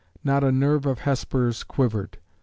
Not a nerve of Hesper's quivered.